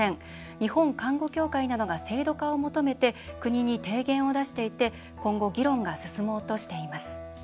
日本看護協会などが制度化を求めて国に提言を出していて今後、議論が進もうとしています。